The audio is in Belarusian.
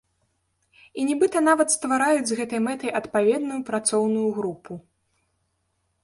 І нібыта нават ствараюць з гэтай мэтай адпаведную працоўную групу.